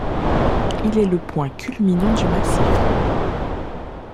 Il est le point culminant du massif.